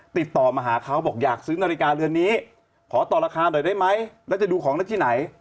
ติดต่อมาหาเขาบอกอยากซื้อนาฬิกาเรือนนี้ขอต่อราคาหน่อยได้ไหมแล้วจะดูของได้ที่ไหน